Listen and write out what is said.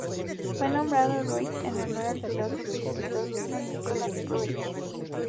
Fue nombrado Roerich en honor al filósofo y escrito ruso Nikolái Roerich.